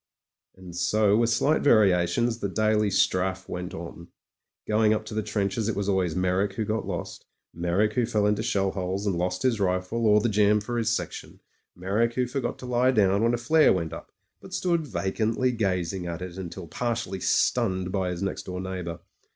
And so with slight variations the daily strafe went on. Going up to the trenches it was always Meyrick who got lost; Meyrick who fell into shell holes and lost his rifle or the jam for his section ; Meyrick who forgot to lie down when a flare went up, but stood vacantly gazing at it until partially stunned by his next door neighbour.